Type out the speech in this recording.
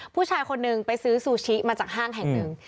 ผู้ชายคนหนึ่งไปซื้อซูชิมาจากห้างแห่งหนึ่ง